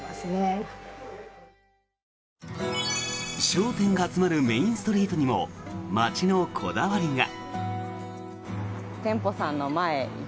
商店が集まるメインストリートにも町のこだわりが。